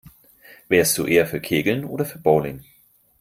Wärst du eher für Kegeln oder für Bowling?